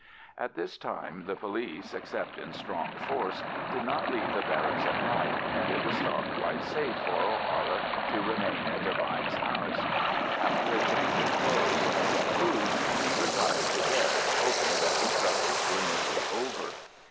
At this time the police, except in strong force, did not leave the barracks at night, and it was thought quite safe for O'Hara to remain in Devine's house. After a change of clothes and some food, he retired to bed, hoping that his troubles were nearly over.